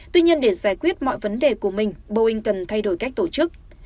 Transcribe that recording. tuy nhiên để giải quyết mọi vấn đề của mình boeing cần thay đổi cách tổ chức